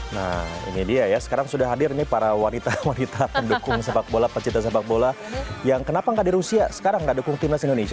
nah ini dia ya sekarang sudah hadir nih para wanita wanita pendukung sepak bola pencinta sepak bola yang kenapa nggak di rusia sekarang nggak dukung timnas indonesia